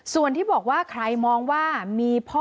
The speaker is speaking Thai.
ส่วนที่บอกว่าใครมองว่ามีพ่อ